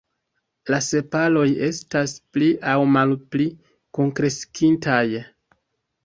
La sepaloj estas pli aŭ malpli kunkreskintaj.